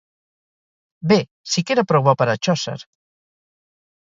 Bé, sí que era prou bo per a Chaucer.